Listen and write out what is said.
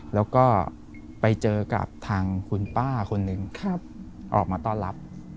แล้วก็ไปเจอกับทางคุณป้าคนหนึ่งออกมาต้อนรับ